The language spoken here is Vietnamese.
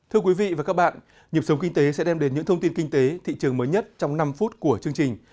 thưa quý vị và các bạn nhịp sống kinh tế sẽ đem đến những thông tin kinh tế thị trường mới nhất trong năm phút của chương trình